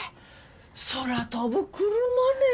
空飛ぶクルマね。